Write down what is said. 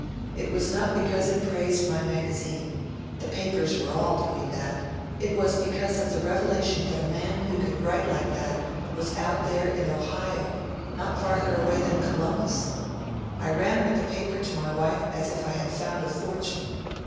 It was not because it praised my magazine ; the papers were all doing that ; it was because of the revelation that a man who could write like that was out there in Ohio — no farther away than Columbus I I ran with the paper to my wife as if I had found a fortune.